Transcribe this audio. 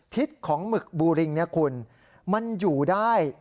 พิษของหมึกบูริงเนี่ยคุณมันอยู่ได้